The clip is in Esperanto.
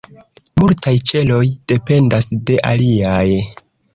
Multaj ĉeloj dependas de aliaj.